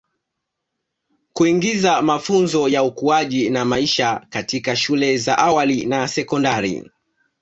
Kuingiza mafunzo ya ukuaji na maisha katika shule za awali na sekondari